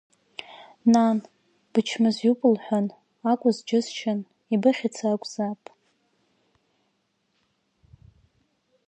Нан, бычмазаҩуп лҳәан, акәыз џьысшьан, ибыхьц акәзаап.